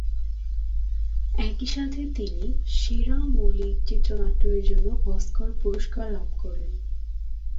একই সাথে তিনি "সেরা মৌলিক চিত্রনাট্য"-এর জন্য অস্কার পুরস্কার লাভ করেন।